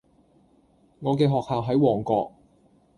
我嘅學校喺旺角